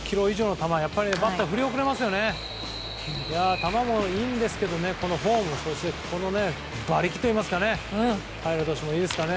球もいいんですが、このフォームそして馬力といいますかねいいですよね。